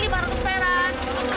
ini lima ratus peran